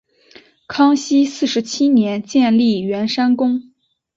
康熙四十七年建立圆山宫。